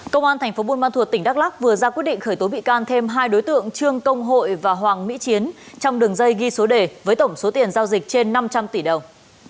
công an thành phố buôn ma thuột tỉnh đắk lắc vừa ra quyết định khởi tố bị can thêm hai đối tượng trương công hội và hoàng mỹ chiến trong đường dây ghi số đề với tổng số tiền giao dịch trên năm trăm linh tỷ đồng